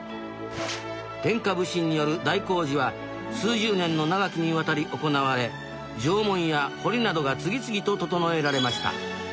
天下普請による大工事は数十年の長きにわたり行われ城門や堀などが次々と整えられました。